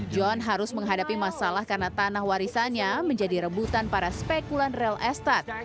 john harus menghadapi masalah karena tanah warisannya menjadi rebutan para spekulan rel estad